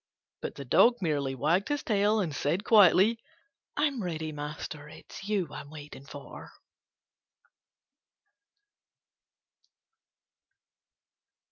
But the Dog merely wagged his tail and said quietly, "I'm ready, master: it's you I'm waiting for."